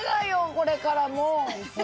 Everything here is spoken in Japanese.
これからもう！